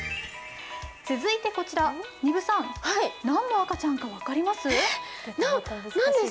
続いてこちら、丹生さん、何の赤ちゃんか分かります？